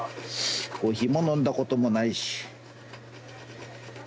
コーヒーも飲んだこともないし。